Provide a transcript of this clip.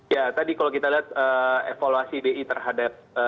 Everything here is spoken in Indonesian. ya tadi kalau kita lihat evaluasi bi terhadap